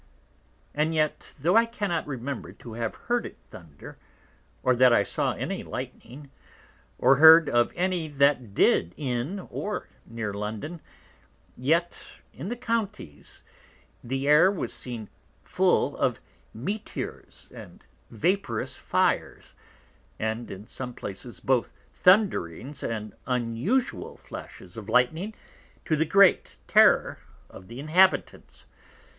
And yet tho' I cannot remember to have heard it thunder, or that I saw any Lightning, or heard of any that did in or near London; yet in the Counties the Air was seen full of Meteors and vaporous Fires: and in some places both Thundrings and unusual Flashes of Lightning, to the great terror of the Inhabitants.